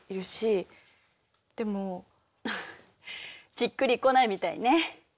しっくりこないみたいね。